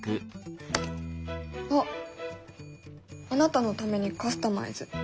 「あなたのためにカスタマイズ。